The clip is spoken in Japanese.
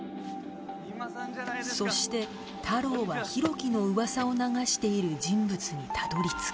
そして太郎は浩喜の噂を流している人物にたどり着く